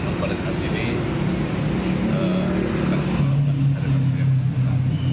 dan pada saat ini kita masih melakukan penyelidikan tersebut